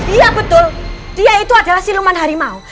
iya betul dia itu adalah si lemua narimau